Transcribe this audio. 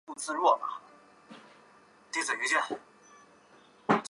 合酶是催化合成反应的酶类。